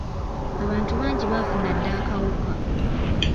Abantu bangi baafuna dda akawuka.